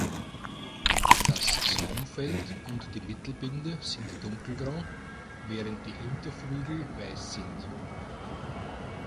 Das Saumfeld und die Mittelbinde sind dunkelgrau, während die Hinterflügel weiß sind.